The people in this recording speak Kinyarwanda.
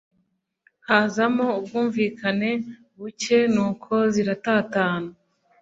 hazamo ubwumvikane bucye nuko ziratatana